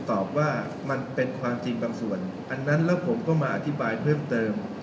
ตอบว่ามันเป็นความจริงบางส่วนอันนั้นแล้วผมก็มาอธิบายเพิ่มเติม